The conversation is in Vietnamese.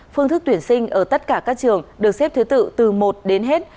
phương thức tuyển sinh ở tất cả các trường được xếp thứ tự từ một đến hết